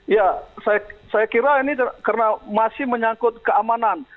ya saya kira ini karena masih menyangkut keamanan